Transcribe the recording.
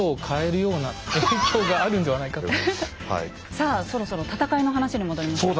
さあそろそろ戦いの話に戻りましょう。